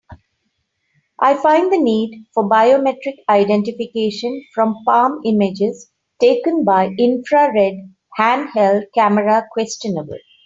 I find the need for biometric identification from palm images taken by infrared handheld camera questionable.